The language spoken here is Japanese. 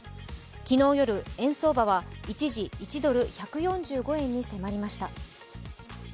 昨日夜、円相場は一時、１ドル＝１４５円に迫りました。